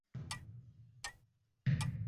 Xotin bo‘lsa, Marjonday bo‘lsa qani edi